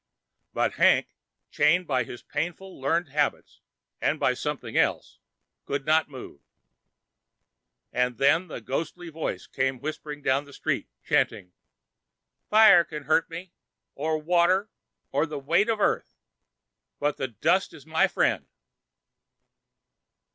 But Hank, chained by his painfully learned habits and by something else, could not move. And then a ghostly voice came whispering down the street, chanting, "Fire can hurt me, or water, or the weight of Earth. But the dust is my friend."